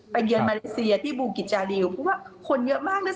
เยือนมาเลเซียที่บูกิจจาริวเพราะว่าคนเยอะมากนะ